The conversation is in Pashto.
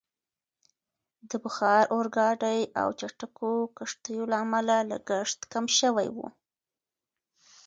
د بخار اورګاډي او چټکو کښتیو له امله لګښت کم شوی وو.